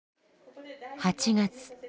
８月。